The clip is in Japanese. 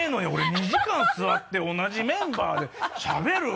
２時間座って同じメンバーでしゃべる？